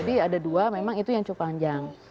jadi ada dua memang itu yang cukup panjang